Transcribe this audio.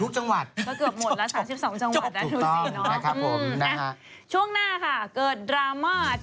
ขอบคุณครับ